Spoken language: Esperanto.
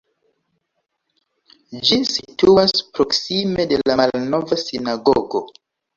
Ĝi situas proksime de la malnova sinagogo.